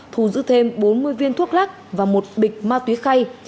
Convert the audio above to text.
thu giữ thêm bốn mươi viên thuốc lắc và một bịch ma túy khay